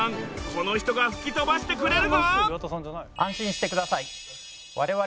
この人が吹き飛ばしてくれるぞ！